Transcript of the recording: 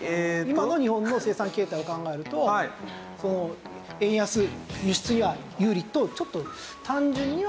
今の日本の生産形態を考えると円安輸出には有利とちょっと単純には言いづらい。